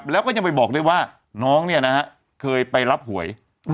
แล้วก็ยังไปบอกได้ว่าน้องเคยไปรับหวย